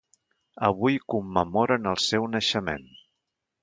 Avui commemoren el seu naixement.